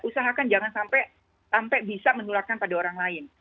usahakan jangan sampai bisa menularkan pada orang lain